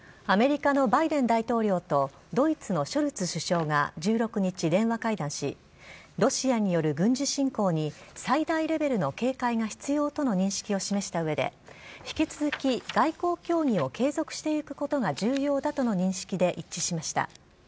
アメリカのバイデン大統領とドイツのショルツ首相が１６日、電話会談しロシアによる軍事侵攻に最大レベルの警戒が必要との認識を示した上で引き続き外交協議を継続していくことが重要だとの認識で一致しました。